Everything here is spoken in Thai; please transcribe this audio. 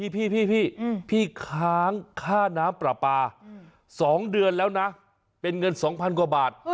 พี่พี่ค้างค่าน้ำปลาปลา๒เดือนแล้วนะเป็นเงิน๒๐๐กว่าบาท